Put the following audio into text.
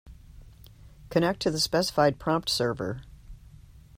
Connect to the specified prompt server.